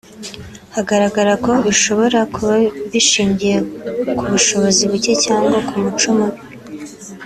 hagaragara ko bishobora kuba bishingiye ku bushobozi buke cyangwa ku muco mubi